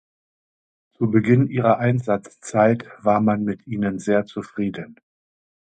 Zu Beginn ihrer Einsatzzeit war man mit ihnen sehr zufrieden.